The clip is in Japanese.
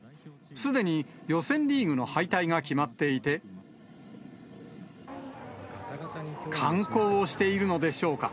すでに予選リーグの敗退が決まっていて、観光をしているのでしょうか。